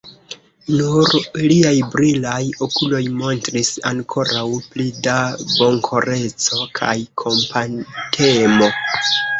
Nur liaj brilaj okuloj montris ankoraŭ pli da bonkoreco kaj kompatemo.